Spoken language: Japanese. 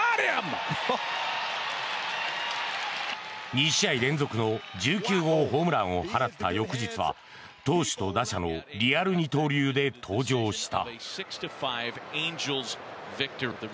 ２試合連続の１９号ホームランを放った翌日は投手と打者のリアル二刀流で登場した。